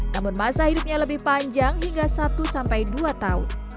namun masa hidupnya lebih panjang hingga satu sampai dua tahun